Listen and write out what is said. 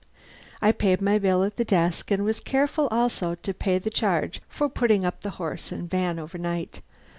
I paid my bill at the desk, and was careful also to pay the charge for putting up the horse and van overnight.